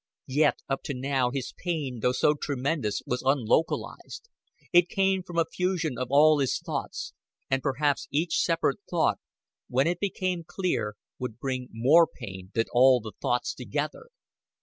Yet up to now his pain, though so tremendous, was unlocalized; it came from a fusion of all his thoughts, and perhaps each separate thought, when it became clear, would bring more pain than all the thoughts together.